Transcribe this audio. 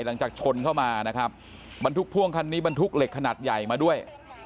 หลังจากชนเข้ามานะครับบรรทุกพ่วงคันนี้บรรทุกเหล็กขนาดใหญ่มาด้วย